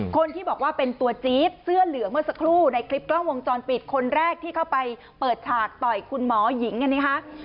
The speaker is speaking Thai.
คนที่บอกว่าเป็นตัวจี๊ดเสื้อเหลืองเมื่อสักครู่ในคลิปกล้องวงจรปิดคนแรกที่เข้าไปเปิดฉากต่อยคุณหมอหญิงกันนะคะ